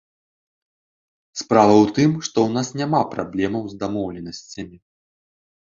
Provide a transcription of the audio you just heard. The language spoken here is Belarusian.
Справа ў тым, што ў нас няма праблемаў з дамоўленасцямі.